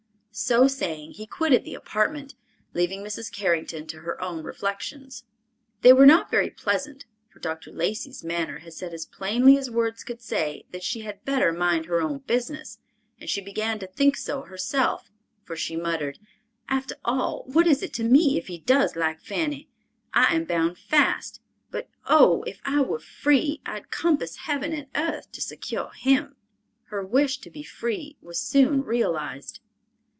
So saying, he quitted the apartment, leaving Mrs. Carrington to her own reflections. They were not very pleasant, for Dr. Lacey's manner had said as plainly as words could say that she had better mind her own business, and she began to think so herself, for she muttered, "After all, what is it to me if he does like Fanny? I am bound fast, but oh, if I were free, I'd compass heaven and earth to secure him." Her wish to be free was soon realized.